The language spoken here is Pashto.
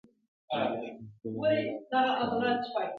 دښمن ته باید عقل کار وکړې